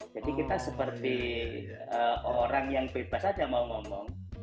jadi kita seperti orang yang bebas aja mau ngomong